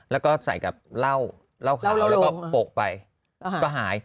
แล้วก็ใส่กับเหล้าขาวแล้วก็ปกไปก็หาย